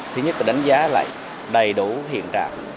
thứ nhất là đánh giá lại đầy đủ hiện trạng